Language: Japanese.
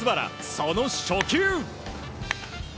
その初球。